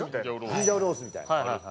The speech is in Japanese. チンジャオロースみたいな。